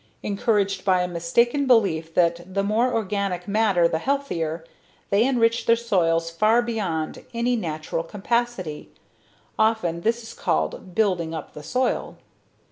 Encouraged by a mistaken belief that the more organic matter the healthier, they enrich their soil far beyond any natural capacity. Often this is called "building up the soil."